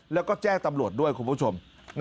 และแจ้กตำรวจด้วยกูผู้ชม